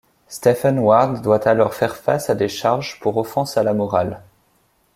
Stephen Ward doit alors faire face à des charges pour offenses à la morale.